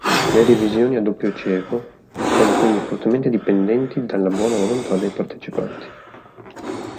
Le revisioni a doppio cieco sono quindi fortemente dipendenti dalla buona volontà dei partecipanti.